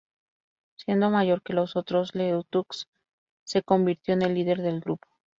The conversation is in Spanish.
Siendo mayor que los otros, Leeteuk se convirtió en el líder del grupo.